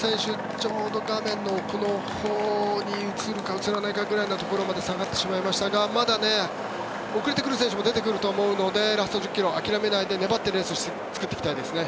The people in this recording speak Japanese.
ちょうど画面の奥のほうに映るか映らないかぐらいまで下がってしまいましたがまだ遅れてくる選手も出てくると思うのでラスト１０ｋｍ諦めないで粘ってレースを作っていきたいですね。